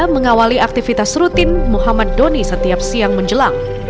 mengawali aktivitas rutin muhammad doni setiap siang menjelang